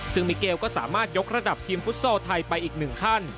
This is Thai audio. ซึ่งมิเกลก็สามารถยกระดับทีมฟุตซอลไทยไปอีกหนึ่งขั้น